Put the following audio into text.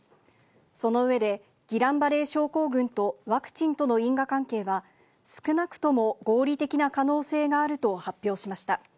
その上で、ギラン・バレー症候群とワクチンとの因果関係は少なくとも合理的な可能性があると発表しました。